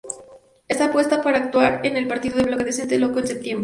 Está puesta para actuar en el Partido de Bloque Decente Loco en septiembre.